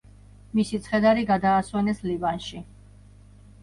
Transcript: მისი ცხედარი გადაასვენეს ლიბანში.